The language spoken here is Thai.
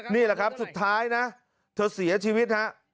นี่แหละครับสุดท้ายนะเธอเสียชีวิตฮะ